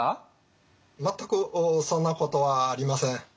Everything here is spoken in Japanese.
全くそんなことはありません。